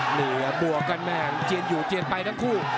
เหลือบวกกันแม่งเจียนอยู่เจียนไปทั้งคู่